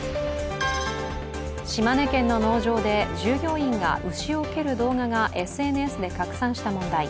島根県の農場で従業員が牛を蹴る動画がＳＮＳで拡散した問題。